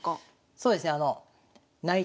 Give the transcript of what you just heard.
そうですねはい。